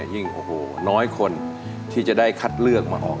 ยิ่งโอ้โหน้อยคนที่จะได้คัดเลือกมาออก